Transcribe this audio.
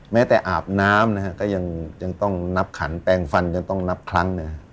แม้แต่อาบน้ำนะฮะก็ยังต้องนับขันแปลงฟันยังต้องนับครั้ง